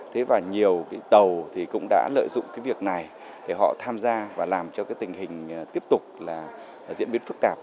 thế và nhiều cái tàu thì cũng đã lợi dụng cái việc này để họ tham gia và làm cho cái tình hình tiếp tục là diễn biến phức tạp